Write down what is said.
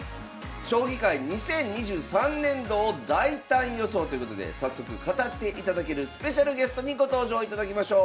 将棋界２０２３年度を大胆予想ということで早速語っていただけるスペシャルゲストにご登場いただきましょう。